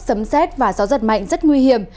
sấm xét và gió giật mạnh rất nguy hiểm